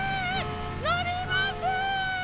のります！